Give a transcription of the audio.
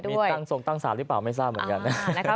มีส่งตั้งสารหรือเปล่าไม่ทราบเหมือนกัน